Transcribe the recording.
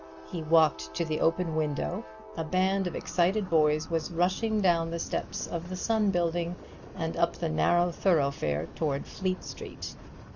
He walked to the open window. A band of excited boys was rushing down the steps of the Sun building and up the narrow thoroughfare toward Fleet Street.